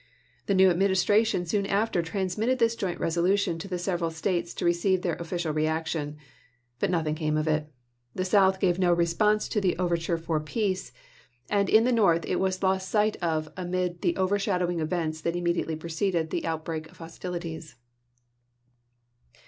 The new Administration soon after transmitted this joint resolution to the several States to receive their official action. But nothing came of it. The South gave no response to the overture for peace, and in the North it was lost sight of amid the over shadowing events that immediately preceded the outbreak of hostilities.